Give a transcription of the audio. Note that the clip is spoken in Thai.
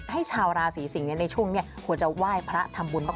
ชาวราศีสิงศ์ในช่วงนี้ควรจะไหว้พระทำบุญมาก